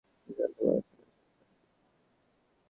যাকে জন্তু বলে চেনা যায় না সেই জন্তুই ভয়ানক।